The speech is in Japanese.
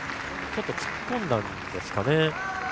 ちょっと突っ込んだんですかね。